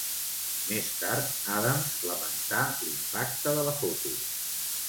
Més tard, Adams lamentà l'impacte de la foto.